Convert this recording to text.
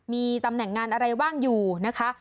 มีตำแหน่งงานอะไรว่างอยู่นะคะ